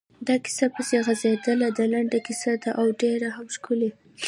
دا کیسه پسې غځېدلې ده، لنډه کیسه ده او ډېره هم ښکلې…